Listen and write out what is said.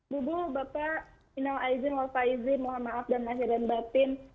bubu bapak innaw aizin waf aizin mohammaaf dan maafin dan batin